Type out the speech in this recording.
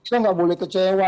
kita nggak boleh kecewa